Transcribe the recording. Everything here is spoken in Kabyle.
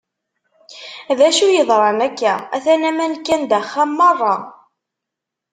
D acu yeḍran akka? Atan aman kkan-d axxam merra.